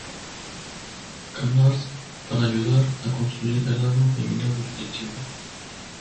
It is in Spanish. Canard para ayudar a construir el arma criminal definitiva.